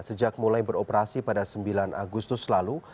sejak mulai beroperasi pada sembilan agustus lalu